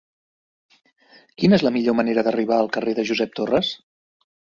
Quina és la millor manera d'arribar al carrer de Josep Torres?